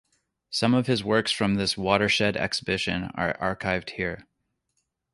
Some of his works from this watershed exhibition are archived here.